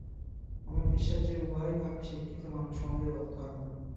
আমার বিশ্বাস যে, উহাই ভাবী শিক্ষিত মানবসমাজের ধর্ম।